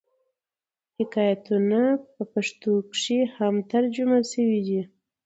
حکایتونه په پښتو کښي هم ترجمه سوي دي.